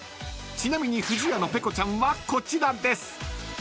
［ちなみに不二家のペコちゃんはこちらです］